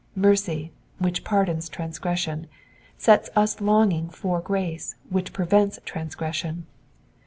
Mercy, which pardons transgression, sets us longing for grace which prevents transgression.